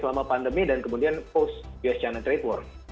selama pandemi dan kemudian post your china trade war